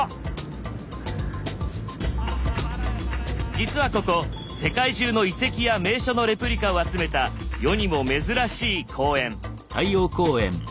実はここ世界中の遺跡や名所のレプリカを集めた世にも珍しい公園。